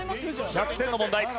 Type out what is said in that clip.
１００点の問題。